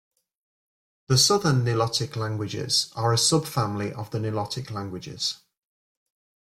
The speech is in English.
The Southern Nilotic Languages are a sub family of the Nilotic languages.